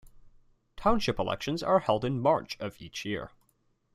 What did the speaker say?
Township elections are held in March of each year.